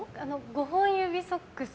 ５本指ソックス。